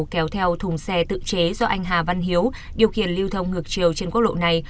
kéo theo thùng xe tự chế do anh hà văn hiếu điều khiển lưu thông ngược chiều trên quốc lộ này